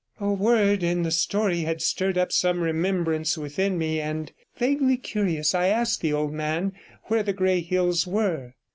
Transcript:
60 A word in the story had stirred up some remembrance within me, and, vaguely curious, I asked the old man where the Grey Hills were.